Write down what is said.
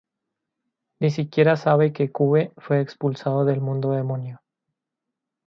Ni siquiera sabe que Cube fue expulsado del Mundo Demonio.